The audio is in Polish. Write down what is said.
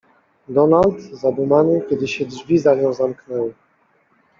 "Donald, zadumany, kiedy się drzwi za nią zamknęły."